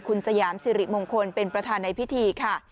คุณสยามสิริมงคลเป็นประธานในพิธีค่ะ